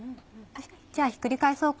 じゃあひっくり返そうか。